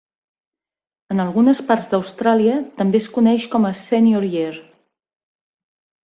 En algunes parts d'Austràlia també es coneix com a "senior year".